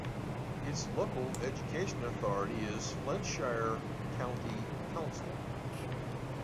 Its Local Education Authority is Flintshire County Council.